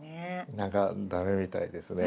何か駄目みたいですね。